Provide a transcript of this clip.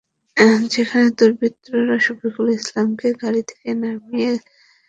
সেখানে দুর্বৃত্তরা শফিকুল ইসলামকে গাড়ি থেকে নামিয়ে গাড়িতে আগুন ধরিয়ে দেয়।